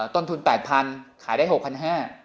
ต้นทุน๘๐๐๐ขายได้๖๕๐๐บาท